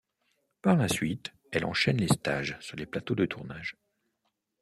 Par la suite, elle enchaîne les stages sur les plateaux de tournage.